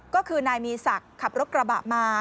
ก็คือนายมีศักดิ์ขับรถกระบะมา